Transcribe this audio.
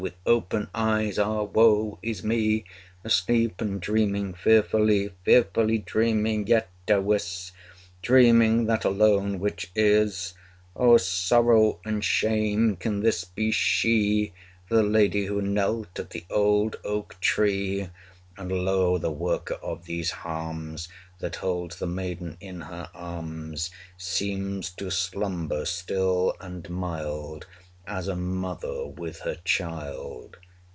With open eyes (ah woe is me!) Asleep, and dreaming fearfully, Fearfully dreaming, yet, I wis, Dreaming that alone, which is 295 O sorrow and shame! Can this be she, The lady, who knelt at the old oak tree? And lo! the worker of these harms, That holds the maiden in her arms, Seems to slumber still and mild, 300 As a mother with her child.